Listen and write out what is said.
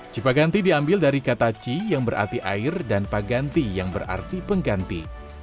cipaganti diambil dari kata ci yang berarti air dan paganti yang berarti pengganti